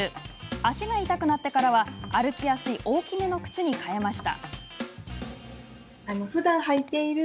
足が痛くなってからは歩きやすい大きめの靴に代えました。